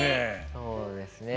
そうですね。